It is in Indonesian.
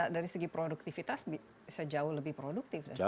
dari segi produktivitas bisa jauh lebih produktif